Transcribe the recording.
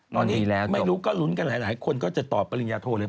ตอนนี้ไม่รู้ก็ลุ้นกันหลายคนก็จะตอบปริญญาโทเลย